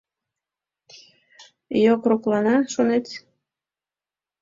— Йокроклана, шонет?